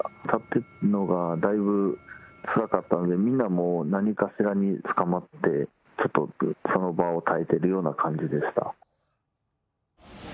立ってるのがだいぶつらかったので、みんなもう、何かしらにつかまって、ちょっとその場を耐えてるような感じでした。